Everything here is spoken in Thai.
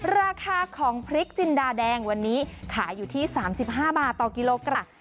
ราคาของพริกจินดาแดงวันนี้ขายอยู่ที่๓๕บาทต่อกิโลกรัม